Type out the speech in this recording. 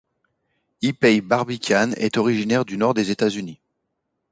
Impey Barbicane est originaire du nord des États-Unis.